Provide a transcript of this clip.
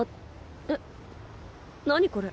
えっ何これ？